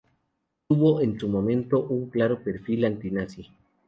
Tuvo en su momento un claro perfil antinazi.